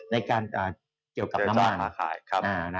ในการเกี่ยวกับน้ำม่าน